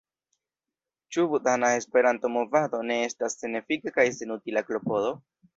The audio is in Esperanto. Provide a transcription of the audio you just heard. Ĉu budhana Esperanto-movado ne estas senefika kaj senutila klopodo?